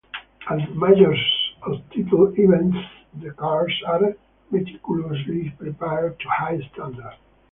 At 'major' or 'title' events, the cars are meticulously prepared to high standards.